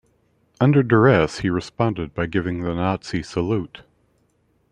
Under duress, he responded by giving the Nazi salute.